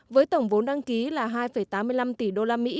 với tổng vốn đăng ký là hai tám mươi năm tỷ usd